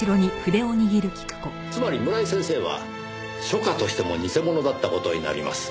つまり村井先生は書家としても偽者だった事になります。